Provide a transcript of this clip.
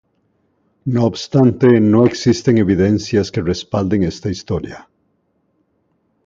No obstante, no existen evidencias que respalden esta historia.